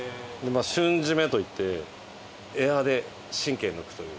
瞬〆といってエアーで神経を抜くという。